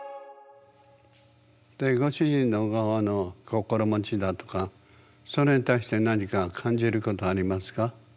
でご主人の側の心持ちだとかそれに対して何か感じることありますか？